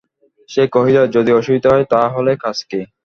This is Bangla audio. সে কহিল, যদি অসুবিধা হয় তা হলে কাজ কী!